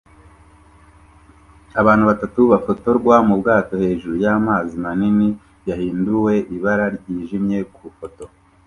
Abantu batatu bafotorwa mu bwato hejuru y’amazi manini yahinduwe ibara ryijimye ku ifoto